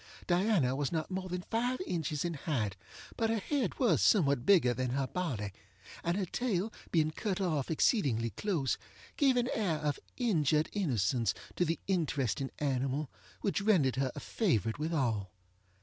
Diana was not more than five inches in height, but her head was somewhat bigger than her body, and her tail being cut off exceedingly close, gave an air of injured innocence to the interesting animal which rendered her a favorite with all.